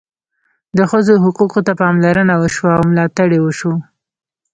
د ښځو حقوقو ته پاملرنه وشوه او ملاتړ یې وشو.